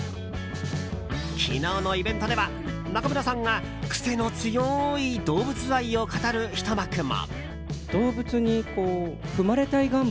昨日のイベントでは中村さんが癖の強い動物愛を語るひと幕も。